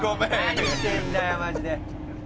何してんだよマジで。